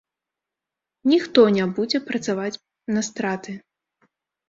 Ніхто не будзе працаваць на страты.